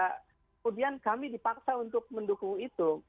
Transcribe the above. kemudian kami dipaksa untuk mendukung itu